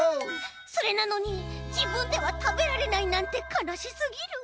それなのにじぶんではたべられないなんてかなしすぎる。